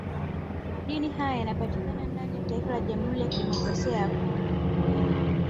Madini haya yanapatika ndani ya taifa la Jamhuri ya Kidemokrasia ya Congo pekee Afrika